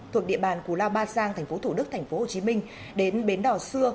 thuộc địa bàn cú lao ba giang tp thủ đức tp hồ chí minh đến bến đỏ xưa